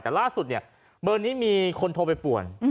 แต่ล่าสุดเนี่ยเบอร์นี้มีคนโทรไปป่วน